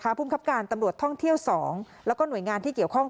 ภูมิคับการตำรวจท่องเที่ยว๒แล้วก็หน่วยงานที่เกี่ยวข้อง